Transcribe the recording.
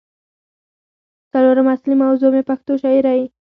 څلورمه اصلي موضوع مې پښتو شاعرۍ